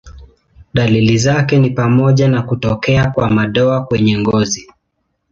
Dalili zake ni pamoja na kutokea kwa madoa kwenye ngozi.